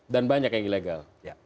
dan banyak yang ilegal